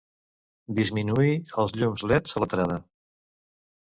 Disminuir els llums led a l'entrada.